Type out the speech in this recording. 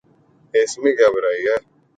اس میں کیا برائی ہے؟